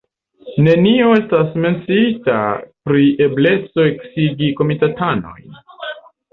Nenio estas menciita pri ebleco eksigi komitatanojn.